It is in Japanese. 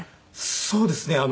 そうですね。